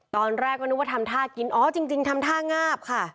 ตอนแรกก็นึกว่าทำท่ากินอ๋อจริงทำท่างาบค่ะ